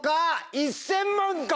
１０００万か？